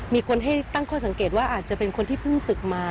มีคนให้ตั้งข้อสังเกตว่าอาจจะเป็นคนที่เพิ่งศึกมา